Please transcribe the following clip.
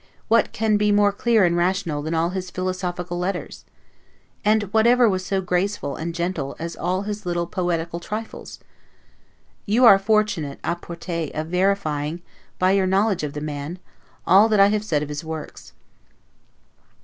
What can be more clear and rational than all his philosophical letters? and whatever was so graceful, and gentle, as all his little poetical trifles? You are fortunately 'a porte' of verifying, by your knowledge of the man, all that I have said of his works.